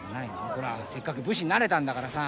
ほらせっかく武士になれたんだからさ。